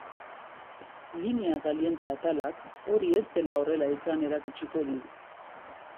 Linea caliente atalak hori ez zela horrela izan erakutsiko digu.